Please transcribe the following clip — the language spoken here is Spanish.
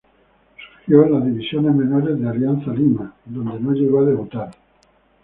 Surgió en las divisiones menores de Alianza Lima, donde no llegó a debutar.